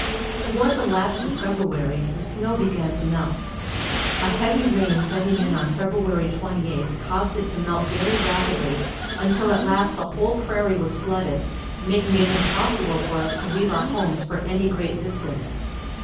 Toward the last of February, the snow began to melt. A heavy rain setting in on February 28th caused it to melt very rapidly until at last the whole prairie was flooded, making it impossible for us to leave our homes for any great distance.